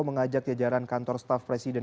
mengajak diajaran kantor staf presiden